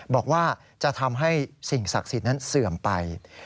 บอกว่าจะทำให้สิ่งศักดิ์สิทธิ์นั้นเสื่อมไป